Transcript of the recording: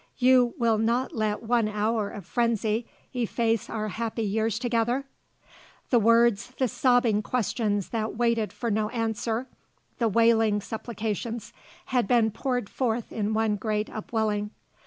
You will not let one hour of frenzy efface our happy years together?" The words, the sobbing questions that waited for no answer, the wailing supplications, had been poured forth in one great upwelling.